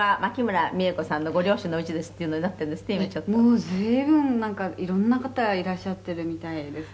「もう随分なんかいろんな方がいらっしゃってるみたいですね」